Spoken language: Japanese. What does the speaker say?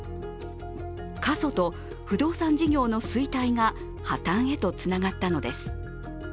過疎と不動産事業の衰退が破綻へとつながったのです。